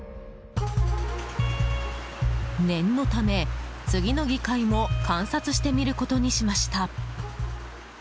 念のため、次の議会も観察してみることにしました。